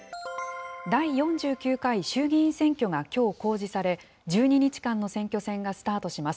第４９回衆議院選挙がきょう公示され、１２日間の選挙戦がスタートします。